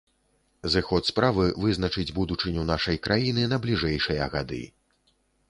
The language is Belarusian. Зыход справы вызначыць будучыню нашай краіны на бліжэйшыя гады.